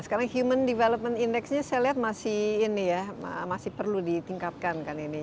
sekarang human development index nya saya lihat masih perlu ditingkatkan kan ini